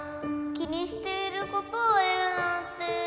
きにしていることをいうなんて。